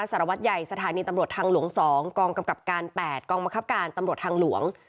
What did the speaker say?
สารวัตรใหญ่สถานีตำรวจทางหลวง๒กองกำกับการ๘กองบังคับการตำรวจทางหลวง